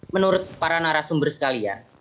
menurut para narasumber sekalian